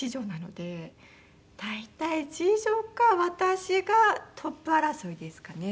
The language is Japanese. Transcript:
大体次女か私がトップ争いですかね。